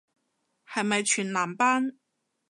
係咪全男班